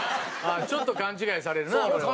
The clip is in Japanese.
ちょっと勘違いされるなこれは。